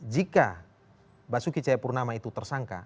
jika basuki cahayapurnama itu tersangka